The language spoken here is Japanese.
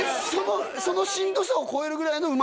そのしんどさを超えるぐらいのうまさってこと？